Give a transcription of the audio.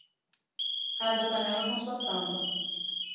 Cada panela tem sua tampa.